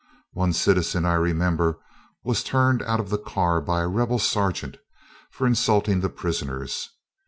One citizen, I remember, was turned out of the car by a rebel sergeant for insulting the prisoners.